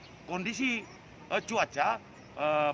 berantakan dari pengelolaan petani di gunung bawakaraeng kemudian ke penyelamatkan